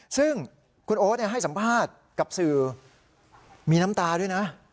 ซึ่งคุณโอ๊ตให้สัมภาษณ์กับสื่อมีน้ำตาด้วยนะ